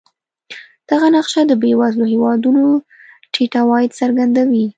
دغه نقشه د بېوزلو هېوادونو ټیټ عواید څرګندوي.